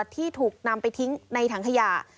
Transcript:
ที่ถูกนำไปทิ้งในถังขยะ